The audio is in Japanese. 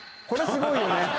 これすごいよね。